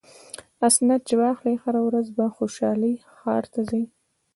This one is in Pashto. اسناد چې واخلي هره ورځ په خوشحالۍ ښار ته ځي.